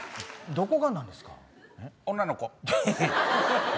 どこがなんですか。